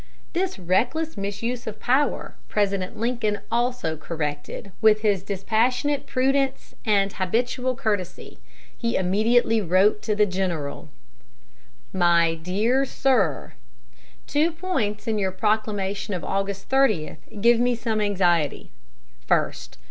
This reckless misuse of power President Lincoln also corrected with his dispassionate prudence and habitual courtesy. He immediately wrote to the general: "MY DEAR SIR: Two points in your proclamation of August 30 give me some anxiety: "First.